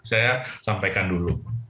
saya sampaikan dulu